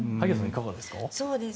いかがですか？